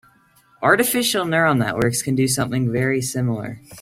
Artificial neural networks can do something very similar.